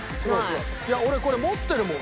いや俺これ持ってるもん。